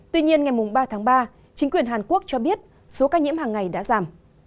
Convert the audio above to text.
tuy nhiên ngày ba tháng ba chính quyền hàn quốc cho biết số ca nhiễm hàng ngày đã giảm